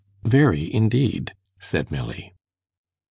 'Very, indeed,' said Milly.